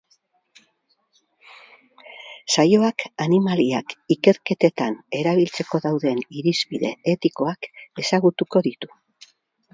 Saioak animaliak ikerketetan erabiltzeko dauden irizpide etikoak ezagutuko ditu.